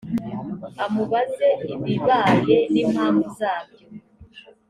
amubaze ibibaye n impamvu zabyo